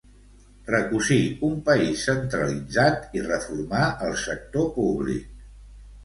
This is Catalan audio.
Recosir un país centralitzat i reformar el sector públic.